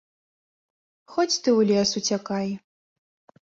Хоць ты ў лес уцякай.